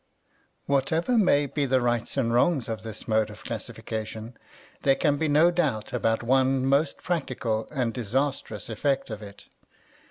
Whatever may be the rights and wrongs of this mode of classification, there can be no doubt about one most practical and disastrous effect of it.